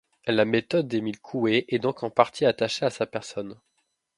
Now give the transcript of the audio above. La méthode d'Émile Coué est donc en partie attachée à sa personne.